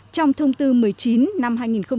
trong thông tư một mươi chín năm hai nghìn hai mươi